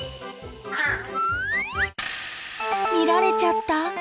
見られちゃった。